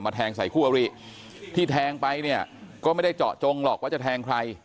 แทงใส่คู่อริที่แทงไปเนี่ยก็ไม่ได้เจาะจงหรอกว่าจะแทงใคร